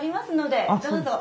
どうぞ。